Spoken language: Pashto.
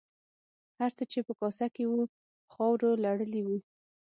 هر څه چې په کاسه کې وو په خاورو لړلي وو.